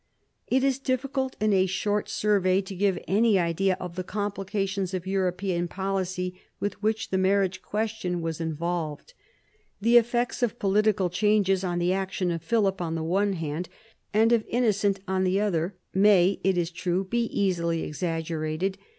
It is difficult in a short survey to give any idea of the complications of European policy with which the marriage question was involved. The effects of political changes on the action of Philip on the one hand and of Innocent on the other may, it is true, be easily exaggerated.